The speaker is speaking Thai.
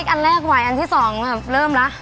อันแรกไวอึงออลที่สองล่ะเริ่มละ